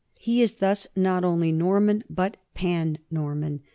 He is thus not only Norman but pan Norman.